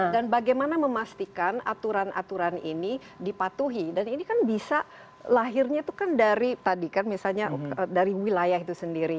dan bagaimana memastikan aturan aturan ini dipatuhi dan ini kan bisa lahirnya itu kan dari tadi kan misalnya dari wilayah itu sendiri